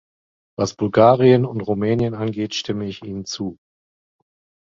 Was Bulgarien und Rumänien angeht, stimme ich Ihnen zu.